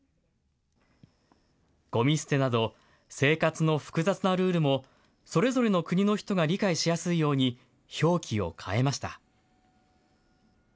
ごみ捨てなど、生活の複雑なルールも、それぞれの国の人が理解しやすいように、表記を変えました。